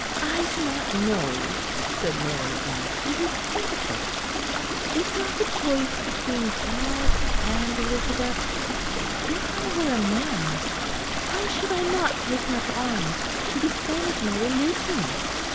"I do not know," said Mary at last; "it is difficult is not the choice between God and Elizabeth? If I were a man, why should I not take up arms to defend my religion?